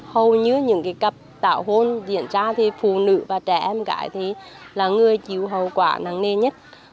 hầu như những cặp tảo hôn diễn ra thì phụ nữ và trẻ em gái là người chịu hậu quả năng nề nhất